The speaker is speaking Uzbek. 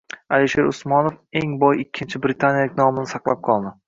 Alisher Usmonov eng boy ikkinchi britaniyalik nomini saqlab qoldi